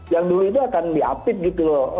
yang dulu itu akan diapit gitu loh